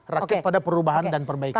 rakyat pada perubahan dan perbaikan